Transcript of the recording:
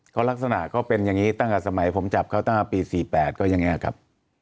เขาลักษณะเขาเป็นอย่างนี้ตั้งแต่สมัยผมจับเขาตั้งแต่ปี๔๘ก็อย่างนี้ครับ